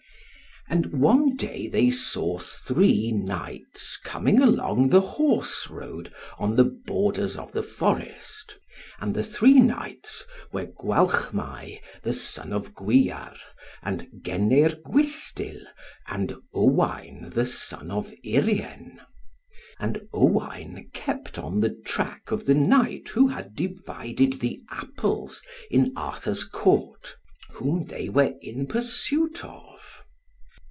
And one day they saw three knights coming along the horse road on the borders of the forest. And the three knights were Gwalchmai the son of Gwyar, and Geneir Gwystyl, and Owain the son of Urien. And Owain kept on the track of the knight who had divided the apples in Arthur's Court, whom they were in pursuit of.